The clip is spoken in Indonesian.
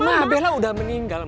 mama bella udah meninggal